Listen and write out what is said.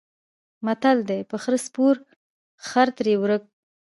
متل دی: په خره سپور خر ترې ورک.